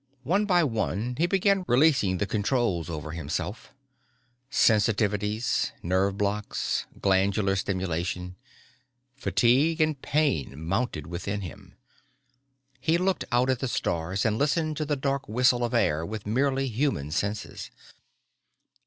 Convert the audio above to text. One by one he began releasing the controls over himself sensitivities, nerve blocs, glandular stimulation. Fatigue and pain mounted within him. He looked out at the stars and listened to the dark whistle of air with merely human senses.